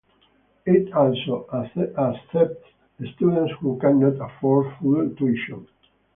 It also accepts students who cannot afford full tuition.